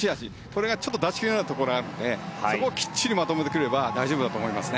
これが出し切れなかったところがあるのでそこをきっちりまとめてくれば大丈夫だと思います。